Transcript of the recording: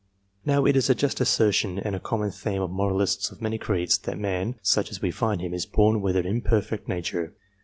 Now it is a just assertion, and a common theme of moralists of many creeds, that man, such as we find him, is born with an imperfect nature.